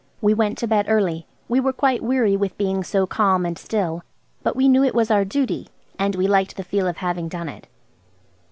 We went to bed early. We were quite weary with being so calm and still. But we knew it was our duty, and we liked the feel of having done it.